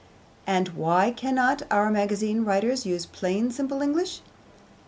And why can not our magazine writers use plain, simple English?